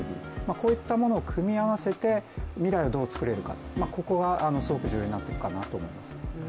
こういったものを組み合わせて未来をどうつくれるか、ここがすごく重要になってくるかなと思います。